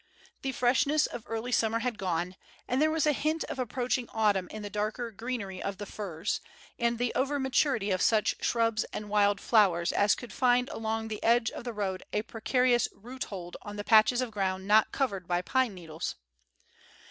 The freshness of early summer had gone, and there was a hint of approaching autumn in the darker greenery of the firs, and the overmaturity of such shrubs and wild flowers as could find along the edge of the road a precarious roothold on the patches of ground not covered by pine needles.